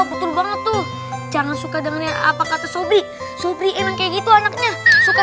betul banget tuh jangan suka dengan apa kata sobi sop enak kayak gitu anaknya suka